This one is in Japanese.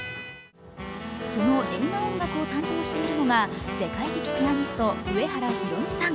その映画音楽を担当しているのが、世界的ピアニスト、上原ひろみさん。